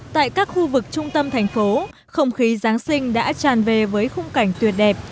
tại các khu vực trung tâm thành phố không khí giáng sinh đã tràn về với khung cảnh tuyệt đẹp